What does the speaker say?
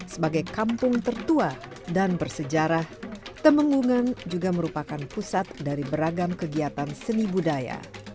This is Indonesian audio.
sebagai kampung tertua dan bersejarah temenggungan juga merupakan pusat dari beragam kegiatan seni budaya